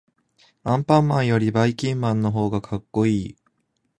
アンパンマンよりばいきんまんのほうがかっこいい。